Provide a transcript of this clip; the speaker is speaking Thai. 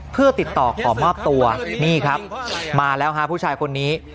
เพื่อติดต่อขอมอบตัวนี่ครับมาแล้วฮะผู้ชายคนนี้